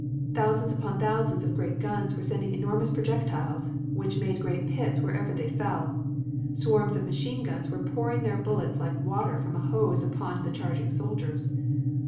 Thousands upon thousands of great guns were sending enormous projectiles, which made great pits wherever they fell. Swarms of machine guns were pouring their bullets like water from a hose upon the charging soldiers.